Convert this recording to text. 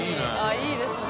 いいですね。